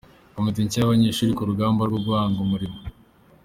Komite nshya y’abanyeshuri mu rugamba rwo guhanga umurimo